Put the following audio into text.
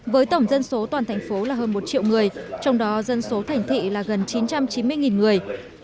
với tổng dân số toàn thành phố là hơn một triệu người trong đó dân số thành thị là gần chín trăm chín mươi người